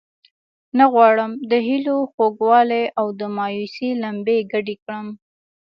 نه غواړم د هیلو خوږوالی او د مایوسۍ لمبې ګډې کړم.